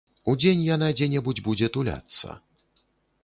Удзень яна дзе-небудзь будзе туляцца.